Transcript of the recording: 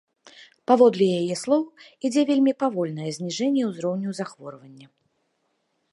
Паводле яе слоў, ідзе вельмі павольнае зніжэнне ўзроўню захворвання.